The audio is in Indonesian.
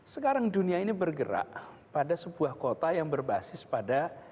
sekarang dunia ini bergerak pada sebuah kota yang berbasis pada